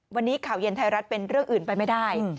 วันนี้ข่าวเย็นไทยรัฐเป็นเรื่องอื่นไปไม่ได้